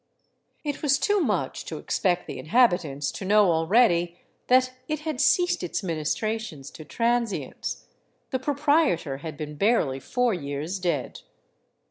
It was too much to expect the inhabitants to know already that it had ceased its ministrations to transients — the pro prietor had been barely four years dead.